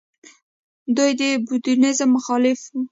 دوی د بودیزم مخالف وو